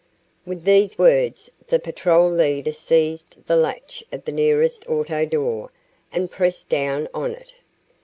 With these words, the patrol leader seized the latch of the nearest auto door and pressed down on it.